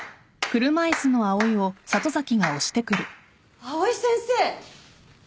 ・藍井先生！